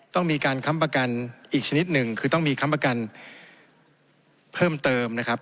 ต้องมีการค้ำประกันอีกชนิดหนึ่งคือต้องมีค้ำประกันเพิ่มเติมนะครับ